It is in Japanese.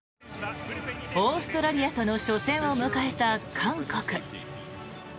オーストラリアとの初戦を迎えた韓国。